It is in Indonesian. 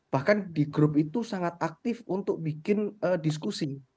bahkan di grup itu sangat aktif untuk bikin diskusi